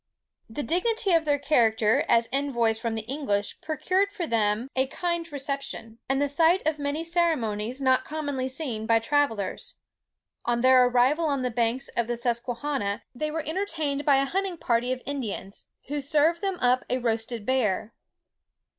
The dignity of their character as envoys from the English procured for them a kind reception, and the sight of many ceremonies not commonly seen by travellers. On their arrival on the banks of the Susquehanna, they were entertained by a hunting party of Indians, who served them up a roasted bear.